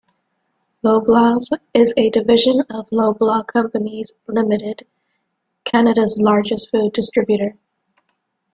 Loblaws is a division of Loblaw Companies Limited, Canada's largest food distributor.